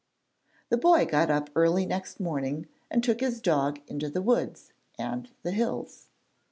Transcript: The boy got up early next morning and took his dog into the woods and the hills.